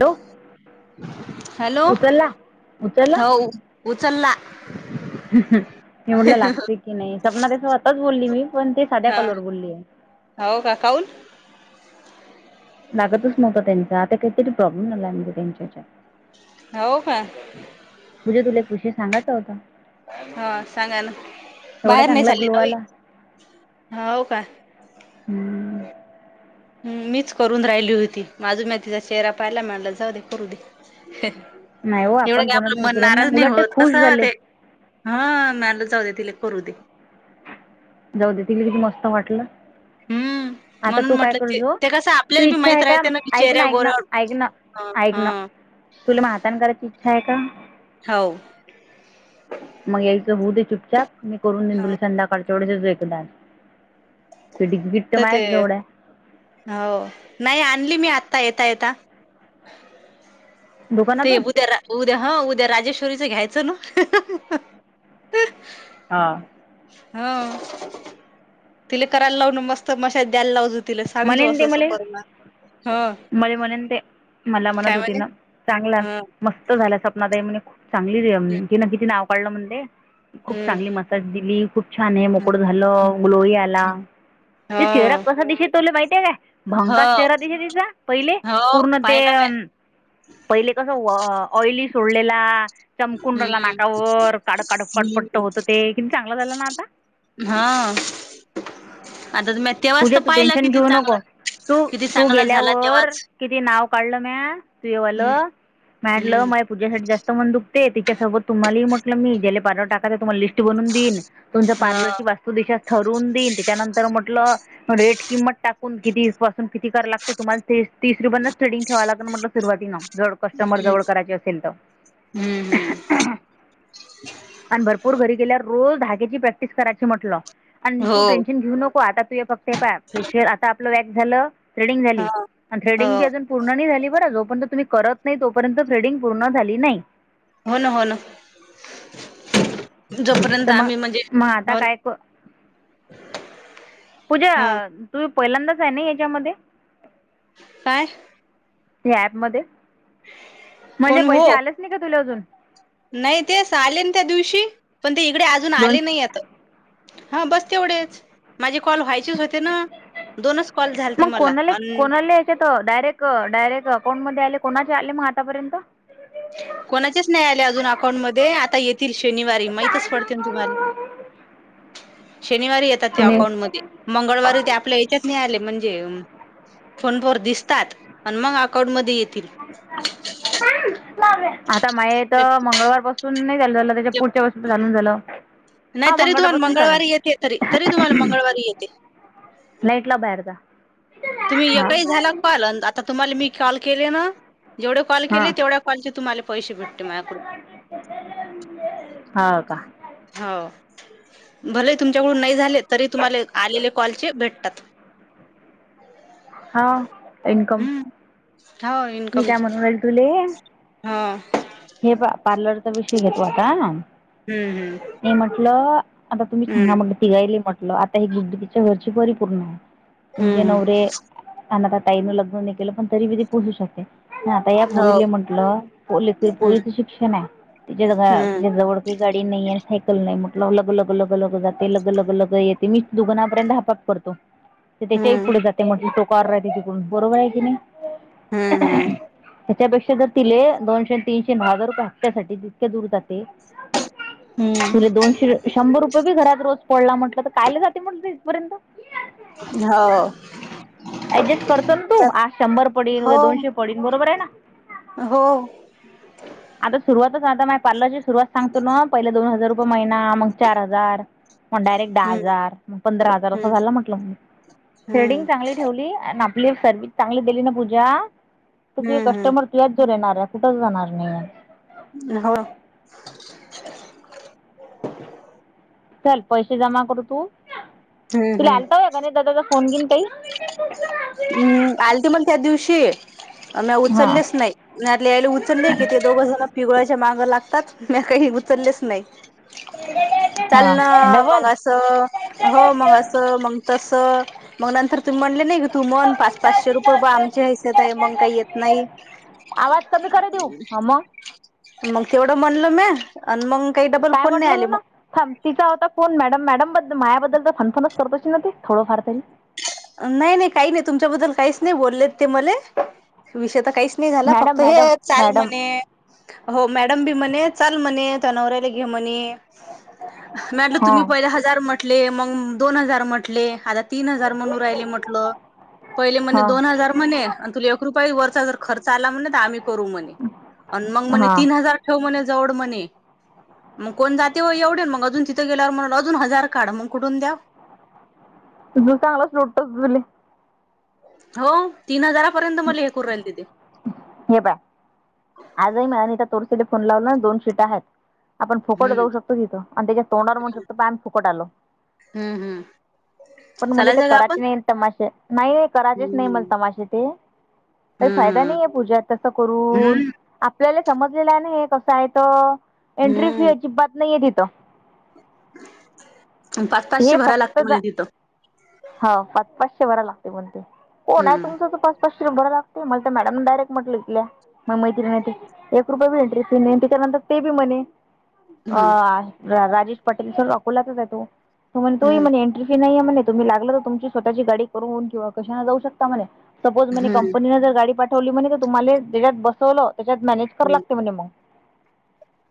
Hello hello उचलला उचलला हो उचलला हे म्हटलं लागते की नाही सपना त्या स्वतच बोलली मी पण ते साध्या हा कॉलवर बोलली आहे. हो का खाऊल लागतच नव्हतता त्यांचा आता काहीतरी प्रॉब्लेम झालाय म्हणजे त्यांच्या हो का म्हुजे तुला एक विषय सांगाचा होता. हा सांगा ना एवढा बाहेर नाही चांगला चालली ग्लो आला न [unintelligible] हो का हम. मीच करून राहिली होती माजून म तिचा चेहरा पहायला मिळाला जाऊ दे करू दे. नाही हो एवढं आपण का कोणाचं आपलं हे मन केलं ना नाराज नाही उलट ते होत खुश कसं झाले ते हा मॅलं जाऊ दे्या तिला करू दे. जाऊ दे तिला किती मस्त वाटलं. हम्म. आता म्हणून तू काय म्हटलं ते करजो ते कसं तू आपल्याला बी इच्छा माहित आहे का राहते ना की ऐक चेहऱ्या ऐक ना गोऱ्यावर ऐक ना हा ऐक ना हा. तुला म हातण करायची इच्छा आहे का. होऊ. मग यायचं होऊ दे चुपचचाप मी करून दे तुले संध्याकाळच्या वढ्याच एकदा किड किट्ट तर ते माझच जवड आहे. हो नाही आणली मी आत्ता येता येता. ते दुकानातून उद्या उद्या हा उद्या राजेश्वरीचं घ्यायचं ना. हा. हा तिला करायला लाव ना मस्त मशाज द्यायला लावज तिला सांगजो म्हणेन ते असं अस मले कर ह मले म्हणेन ते मला म्हणत होती ना चांगला मस्त झाल्या सपनाताई म्हणे खूप चांगली कि ना किती नाव काढलं म्हणले खूप हम्म चांगली मसाज दि खूप छान आहे मोकडं झालं ग्लोरी आला ते चेहरा हं कसा दिश माहितीय काय हो भंका चेहरा दि तिचा पहिले हो पूर्ण ते पाहिला म्या पहिले कसं ऑइली सोडलेला चमकुं राला हम्म नाकावर काड काड काटपट्ट होतं ते कि चांगलं झालं ना आता. हा आता तुम तेव्हाचता पाहिलं छन जवनो नको तू तू झाला गेल्यावर तेव्हाच किती नाव काढलं म्या तू हम्म येवालं. मॅटलं हम्म माझ पूजेसाठी जास्त मण दुख ते तिच्यासोबत तुम्हालाही म्हटलं मी ज्याला पार्लर टाका तुम्हाला लिस्ट बनून देईन तुमं हा पार्लरचीस् तू देश ठरवून देईन त्याच्यानंतर म्हटलं रेट किंमत टाकून किती किती करा लागते तुमला तीस रुपया स्टस्टिंग ठेवा लागल म्हटलं सुरुवी ना जड क कस्टमर हम्म जवळ करायचे असेल तर. हम्म आणि भरपूर घरी गेल्यावर रोज धाग्याची प्रॅक्टिस करायची म्हटलं. आणि तू हो टेन्शन घेऊ नको आता तू फक्त हे पाय प्रेशर आता आपलं वॅक झालं थ्रेडिंग झाली हा आणि हो थ्रेडिंग बी अजून पूर्ण नाही झाली बर जोपर्यंत तुम्ही करत नाही तोपर्यंत थ्रेडिंग पूर्ण झाली नाही. होन होन. जोपर्यंत तर मग आम्ही म्हणजे मग आता काय क पूजा ह तुमी पहिल्यांदाच आहे ना याच्यामध्ये? काय? ह ऍप म म्हणजे कोण हो पैसे आलेच नाही का तुला अजून? नाही तेच आले त्या दिवशी पण ते इकडे अजून आले दोनशे नायियेत. हा बस तेवढेच. माझी कॉल व्हायचीच होते ना दोनच कॉल झालेते मग मला कोणाला अ कोणाला डायरेक्ट डायरेक्ट अकाउंट मध्ये आले कोणाचे आले मग आतापर्यंत? कोणाचेच नाही आले अजून अकाउंट मधे आता येतील शनिवारी माहितच पडतील तुम्हाला. [unintelligible] शनिवारी येतात त्या अकाउंटमध्ये मंगळवारी ते आपल्या याच्यात नाही आले म्हणजे फोन वर दिसतात मग अकाउंटमध्येध्ये येतील. [unintelligible] आता माय मंगळवार पासून नाही झालं झालं त्याच्या पुढच्या पासून लून झालं. नाही हा तरी तुम्हाला मंगळवारपासून चालू मंगळवारी येते तरी तरी तुम्हाला मंगळवारी येते. नाईटला बाहेर जा. तुम्ही एकाही झाला कॉल. आता तुम्हाले मी कॉल केले ना. जेवढे कॉल हा केले. तेवढ्या कॉलचे तुम्हाला पैसे भेटते. माझ्याकडून. हाव का? हाव. भले तुमच्याकडून नाही झाले. तरी तुम्हाला आलेले कॉलचे भेटतात. हाव. इन्कम. हम्म हो मी काय इन्कमच म्हणून राईल तुले. हो हे पा पार्लरचा विषय घेतो आता. हम्म हम्म मी म्हटलं. आता तुम्ही सांगा म्हटल. तिघायले म्हटलं. आता हे गुड्ड तिच्या घरची परिपूर्ण आहे. तुमचे हम्म हम्म नवरे. अनाथ ताईन लग्न नाही केलं पण. तरी ते पोहचू शकते. आता या हो पुरीले म्हंटलं. पोल हम्म पोरीच शिक्षणे. तीच्या हम्म जवळ काही गाडी नाहीये. सायकल नाहीये. म लग लग लग लग जाते लग लग लग येत. मी दुघनापर्यंत हाप हाप करतो. ते त्याच्याही हम्म पुढे जाते. म्हटल तो कार्र आहे त्याच्यािकडू. बरोबरे कि नाही. हम्म त्याच्यापेक्षा जर तिले. दोनशे, तीनशे, हजार रुपये हपत्यासाठी. जितके दूर जाते. हम्म तुले हम्म दोनशे. शंभर रुपये बी घरात रोज फडला म्हटलं. तर् कायलं जाते म्हटलं. इथपर्यंत. हो. ऍडजस्ट करतो ना तू. स- आज शंभर पडेन. हो उद्या दोनशे पडेन. बरोबरे ना. हो. आता सुरुवातच. आता माझ्या पार्लर ची सुरुवात सांगतो ना. पहिला दोन हजार रु महिना मग चार हजार. मग डायरेक्ट दहा हम्म हजार. मग पंधरा हजार. हम्म असं झालं म्हटलं. म थ्रेडिंग हम्म चांगली ठेवली. आणि आपली सर्विस चांगली दिली ना पूजा. तर तुझ हम्म कस्टमर तुझ्या जवळ येणारे. कुठंच जाणार नाहीय. हो. चल पैसे जमा करू तू. हम्म तुला हम्म आलता वय का गणेश दादाचा फोन बीन काही. अम्म. आल ते म. त्या दिवशी. म्या हां उचललेच नाही. मीतले यायला उचलले कि ते दोघं जण पिगोळ्याच्या मागे लागतात. म्या. काही उचललेच नाही. चाल हा ना मग डबल असं. हो मग असं. मग तस. म नंतर तु म्हणले नाही का. तू म्हण. पाच पाचशे रुपये बा. आमच्या हस्याते. मग काही येत नाही. आवाज कमी करे देऊ. ह मग. मग तेवडं म्हनल म्या. आणि मग काही डबल काय फोन नाही म्हटलं आले तु ना. थांब. तिचा होता फोन. मॅडम मॅडम बद् मायाबद्दल त. फनफनच करत अशील ना ती. थोडंफार तरी. नाही नाही. काही नाही. तुमच्याबद्दल काहीच नाही बोललेत ते मले. विषयता काहीच नाही झाला. मॅडम फक्त मॅडम हे चाल मॅडम म्हणे. हो. मॅडम बी म्हणे. चाल म्हणे. तो नवरायला घे म्हणे. म्या म्हटलं. हां तुम्ही पहिले हजार म्हटले. मग दोन हजार म्हटले. आता तीन हजार म्हणून राहिले म्हटलं. पहिले म्हणे. हां दोन हजार म्हणे. आणि तुला एक रुपया वरचा जर खर्च आला म्हणे. तर आम्ही करू म्हणे. आणि मग म्हणे. हां तीन हजार ठेव म्हणे. जवळ म्हणे. मग कोण जाते व एवढे. मग अजून तिथं गेल्यावर म्हणेन अजून हजार काड. मग कुठून द्याव. तु तु चांगला लटोस तुले. हो. तीन हजारापर्यंत मला हे करू राहीलेत ते. हे पाय. आजही मलानीता तोरसेडे फोन लावलं. दोन शीट आहेत. [unintelligible] आपण फुकट हम्म जाऊ शकतो तिथं. आणि त्याच्या तोंडवर म्हणू शकतो. पाय आम्ही फुकट आलो. हम्म हम्म. पण मला ते चालायचं का करायचे आपण नाही तमाशे. नाही नाही करायचेच नाही. मला हम्म तमाशे ते. काही फायदा हम्म नाहीय पूजा तसं करून. हम्म आपल्याला समजलेला नाहीय कसा आहे तो एंट्री फी अजिबात नाहीय तिथं. हम्म पाच पाचशे हे भरायला फक्त लागते जा म्हणे तिथं हा पाच पाचशे भराय लागतय म्हणते. कोण आहे हम्म तुमच तर पाच पाचश रुप भराय लागतय मला मॅडम डयरेक्टलं म्हटल्या. हा मैत्रीणाय ते एक रुपये बी एंट्रीे फी नाही ते त्याच्यानंतर ते बी म्हणे. अ हम्म राजेश पटेल स अकोल्याचाच आहे तो. तुमान तोही हम्म म्हणे एंट्री फी नाहीय आहे म्हणे तुम्ही लागलं तर तुमची स्वतःची गाडी करून किंवा कशाने जाऊ शकता. ता म्हणे सपोज म्हणे हम्म कंपनी जर गाडी पाठवली म्हणे तुम्हाले तेच्यात बसवल त्याच्यात मॅनेज कराय हम्म लागते म्हणे मग.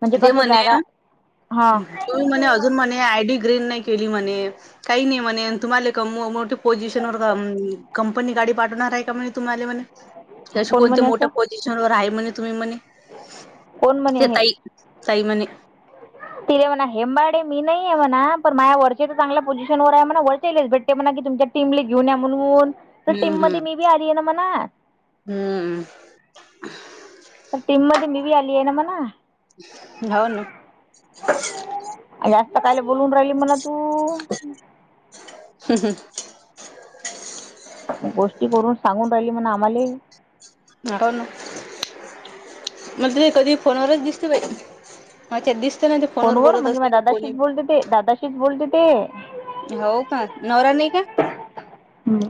म्हणजे ते कसं जागा म्हणे हा तुही म्हणे अजून म्हणे आय डी ग्रीन नाही केली म्हणे. काही नाही म्हणे तुम्हाला क मोठे पोझिशन वर कं कंपनी गाडी पाठवणार आहे का म्हणे तुम्हाला म्हणे. अशी कोण कोणती म्हणे मोठ्या असं पोझिशन वर आहे म्हणे तुम्ही म्हणे कोण म्हणे ते हे ताई. काही म्हणे. [inaudible] तिले म्हणा हेंबाडे मी नाही आहे म्हणा पण माझ वरचे तर चांगल्या पोझिशन वर आहे म्हणा वरचेलेच भेट ते म्हणा की तुमच्या टीमले घेऊन या म्हणून तर टीम मध्ये मी बी आली आहे ना म्हणा. हम्मम. त्या टीम मध्ये मी बी आली आहे ना म्हणा. हाव ना. जास्त कायल बोलून राहिली म्हणा तू. हम् हम. गोष्टी करून सांगून राहिली म्हण आम्हाले. हो ना म्हटले कधी फोनवरच दिसते बाई. माझ्यात दिसत ना ते. फोन फोनवर वर बोलत म्हणजे म असते की कोणी दादाशीच बोलते ते दादाशीच बोलते ते. हो का नवरा नाही का. ह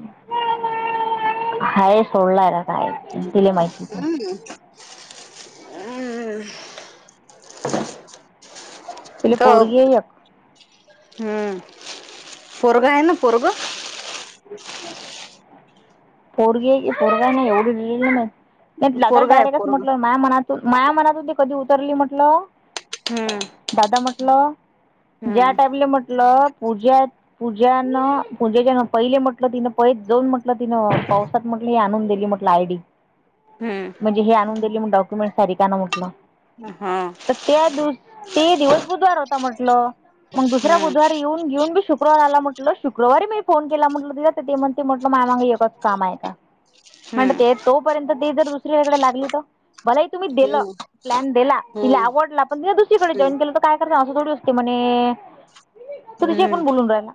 हाय सोडलाय र [unintelligible] हम. [unintelligible] तिले त पोरगी ब आहे एक हम्म पोरग आहे ना पोरग. पोरगी हाय की पोरग नाही एवढी [unintelligible] माय. त्यांच्या दादाला पोरगा आहे डायरेक्टच पोरग म्हटल मा्या मनातून माया मनातून ते कधी उतरली म्हटलं. हम. दादा म्हटलं ज्या टॅबले म्हटलंत. पूजा त पूजा न पूजेच्या ना पहिले म्हटलं तिनं पइच जाऊन म्हटलं तिनं पावसात म्हटलं ही आणून दिली म्हटलं आय डी. हम्म. म्हणजे हे आणून दिली म डॉक्युमेंट सारीका न म्हटलं. हा. तर त्या दिस ते दिवस बुधवार होता म्हटलं मग दुसरा हम्म बुधवार येऊन घेऊन बी शुक शुक्रवार आला म्हटल शुक्रवारी मी फोन केला म्हटल त ते म्हण ते म्हटलं माय माग एकच काम आहे का? म्हणत हम्म ते तोपर्यंत ते जर दुसरीयाकडे लागली तर मलाही तुम्ही दिलं हम्म प्लॅन दिला. तिला हम्म आवडला पण तिने दुसरीकडे जॉईन हम्म केलं तर काय कराच असं थोडी असते म्हणे. तूले शेकून हम्म बोलून राहिला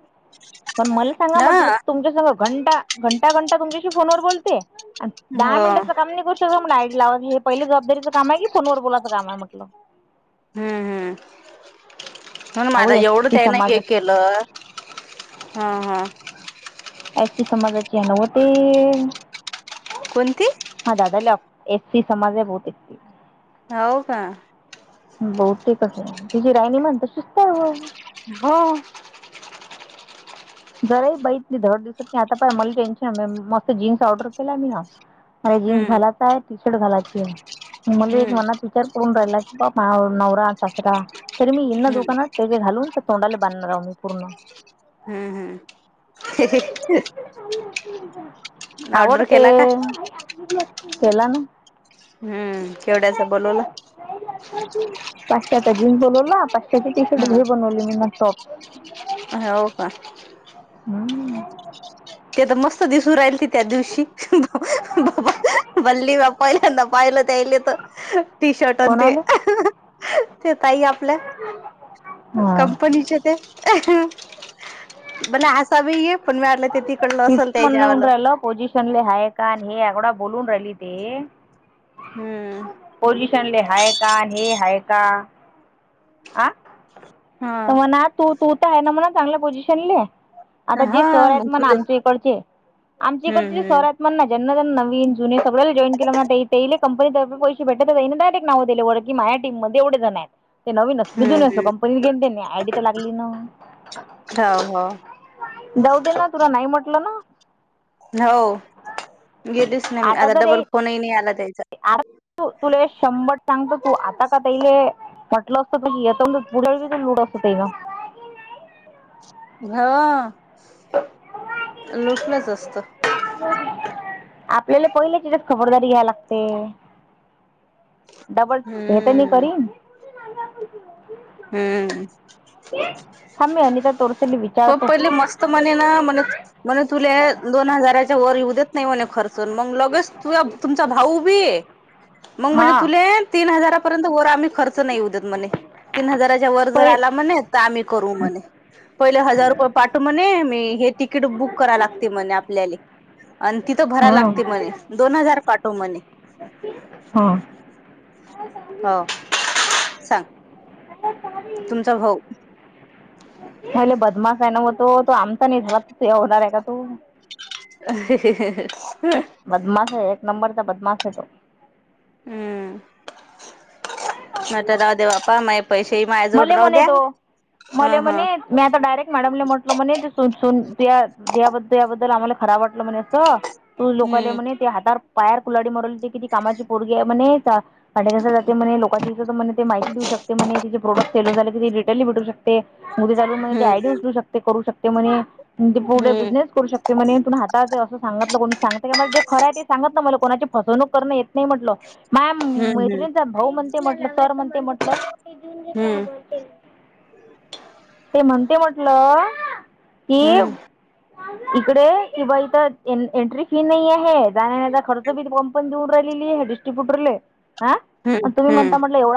पण मले सांगा म्हटलं हा तुमच्या संग घंटा घंटा घंटा तुमच्याशी फोन वर बोलते. दहा हो मिनिटाच काम नाही करू शकत आय डी लावाच हे पहिल जबाबारीच काम की फोनवर बोलाचं काम हाय म्हटलं. हम्म हम्म मून माझ अहो एस एवढं सी काय नाही हे समाजाची केलं. म्हणल ह ह. ऐक की तो माझा चेन व ते कोणती? अ दादा लॅब एकती समाजा होते [unintelligible] हो का बौद्धिकचे तिचे राहणीमान तसेच तर आहे. हो. जरा बहीित नाही दड दिवसात नाही आता पण मला टेन्शन आहे मस्त जीन् ऑर्डर केला मी ना [unintelligible] अरे जीन्स हम्म घालायचं आहे टी शर्ट घालायची आहे मले एक हम्म मनात चर करून राहिल्यात मायावर नवरा ससरा तरी मी गेली न हम्म दुकानात घालून तर तोंडाले बांधणार आहो मी पूण हम् हम् आवडते केला का केला ना? हम्म केवढ्याच बोलवला? पाचश्याचा जीन्स बनवला पाचश्याची टी शर्ट घरी ह बनवली मी ना टॉप. हो का? हम्म ते तर मस्त दिसू राहिलतीत त्या दिवशी ब भल्ली बापाल्यांदा पाहिलं त्याले तर. टी शर्ट न ते कोणाले ते ताई आपल्या हा कंपनी ते मला असा पण आसाबी येे पण मिळाला ते ती तिथ म्हण येऊन राहिलं पोझिशनले ह का हे अवडा बोलून राहिली ते हम्म चांगले हाय का हे हाय का आ हा तर म्हणा तू तू तर आहे ना म्हणा चांगलं पोझिशन ल आता जे हा मग शहर्यात मणा तुले आमच्या इकडचे आमच्या हम्म इकडचे हम्म शहर्यात मण ना ज्यांना ज त्यांना नवीन जुनी सळ्याला जॉईन केलं म्ह ते कंपनीतर्फ पैसे भेटत डायेक्ट नावले व की माझ टीम मध्ये एवढे जण आहेत. ते नवीन अस हम्म बिजून असो हम्म कंपनीत घेन ते आयडी तर लागली ना. होा हो. जाऊ दे ना तुला नाही म्हटलं ना. हो घेतच नाही मी आता डबल फोनही नाही आला त्यायचा. अर तु तूला शंभर सांगतो तू आता का तले म्हटलं असतं प की पुढळ लूड असत ना [unintelligible] हा लोटलंच असत. आपल्याला पहिल्याचीच खबरदारी घ्याय लागते. डबल हेेत नी हम्म करी हम्म थांब मी अनिता तोरसेली प विचारतो पहिले मस्त म्हणे ना म्ह म्हणे तुले दोन हजाराच्या वर येऊेत नाही म्हणे खर मग लगेच तु तुमचा भाऊ बी मग म्हणजे हा तु तीन हजार र्यंत वर आम्ही खर्च नाही उदत म्हणे तीन हजाराच्या वर जर पै आला म्हणे तर आम्ही करू म्हणे. पहिले हजार रुपये पाठू म्हणे मी हे तिकीट बुक कराय लागते म्हणे आपल्याला. आणि तिथं भराय हां लागते म्हणे दोन हजार पाठव म्हणे. हा. हाव. हं.... [inaudible] तुमचा भाऊ. म्हले बदमास आहे ना व तो, तो आमचा नाही झाला त होणार आहे का त... अहहहंह अ. [unintelligible] [inaudible] बदमाश हे एक नंबरचा बदमाश आहे तो. हम्म, नायतर रावुदे बाप्पा मय.. पैसेही माझ्या जोड मले राहु म्हणे द्या, तो हा मले हा. म्हणे मी आता डायरेक्ट मॅडमला म्हटल म्हणे तू सुनसुनया त्या बद्दल आम्हाले. खरा वाटलं म्हणे असं तू लोकायले हम्म म्हणे.... ते हातावर पायार कुलाडी मारु रायली ते किती कामाची पोरगी आहे म्हणे... भाडें घासायला जाते म्हणे लोकांची इत ते माहिती देऊ शकते म्हणे. मेलो झाल की रिटर्नला भेटू शकते उद्या चालुन ते हम्म आयडिया उचलू शकते करू शकते म्हणे. ते पुढे हम्म बिझनेस करू शक ते म्हणे तून हाताात आहे असं सांगतलं कोणी सांगत का जे खं आहे ते सांगत ना मला कोणाची फसवणूक करण येत नाही म्हटल म्या हम्म हम्म मैत्रिणीचा भाऊ म्हणते म्हटलं सर म्हणते म्हटलं हम्म ते म्हणते म्हटलं हम्म हेव... इकडे कि बा इथ एंट्री फी नाही आहे जाणण्याचा खर्च बी.... आपन जाऊन राहिलेलीय डिस्टिबुटरले आं हम्म तुम्ही हम्म. म्हणता एवढा..